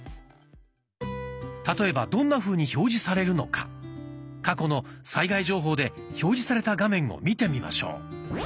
例えばどんなふうに表示されるのか過去の災害情報で表示された画面を見てみましょう。